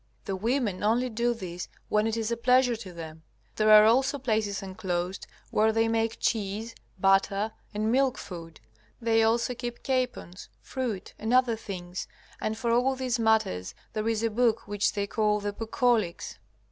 The women only do this when it is a pleasure to them. There are also places enclosed, where they make cheese, butter, and milk food. They also keep capons, fruit, and other things, and for all these matters there is a book which they call the Bucolics.